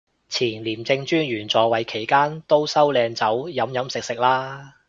前廉政專員在位期間都收靚酒飲飲食食啦